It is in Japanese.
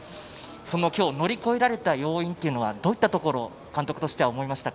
乗り越えられた要因というのはどういったところを監督としては思いましたか？